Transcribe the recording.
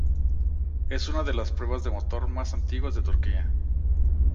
Es una de las pruebas de motor más antiguas de Turquía.